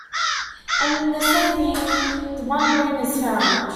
And in the same year, the One Ring is found.